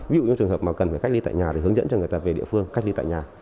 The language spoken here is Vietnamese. ví dụ những trường hợp cần cách ly tại nhà hướng dẫn cho người ta về địa phương cách ly tại nhà